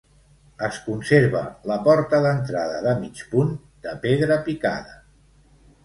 Es conserva la porta d'entrada de mig punt, de pedra picada.